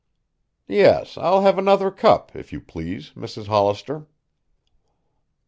Yes, I'll have another cup, if you please, Mrs. Hollister."